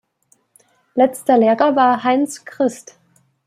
Letzter Lehrer war Heinz Christ.